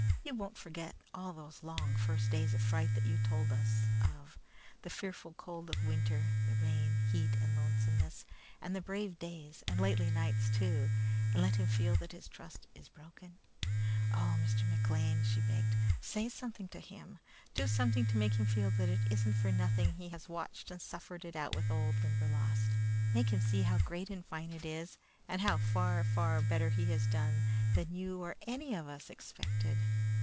You won't forget all those long first days of fright that you told us of, the fearful cold of winter, the rain, heat, and lonesomeness, and the brave days, and lately, nights, too, and let him feel that his trust is broken? Oh, Mr. McLean," she begged, "say something to him! Do something to make him feel that it isn't for nothing he has watched and suffered it out with that old Limberlost. Make him see how great and fine it is, and how far, far better he has done than you or any of us expected!